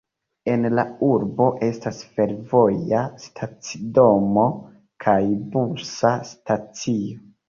En la urbo estas fervoja stacidomo kaj busa stacio.